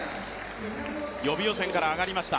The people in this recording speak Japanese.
予備予選から上がりました